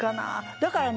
だからね